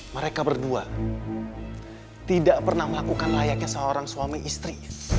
mereka berdua tidak pernah melakukan layaknya seorang suami istri